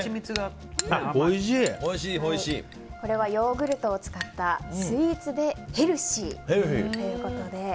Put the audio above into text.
これはヨーグルトを使ったスイーツでヘルシーということで。